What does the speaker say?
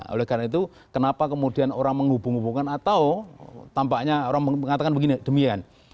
oleh karena itu kenapa kemudian orang menghubung hubungkan atau tampaknya orang mengatakan begini demikian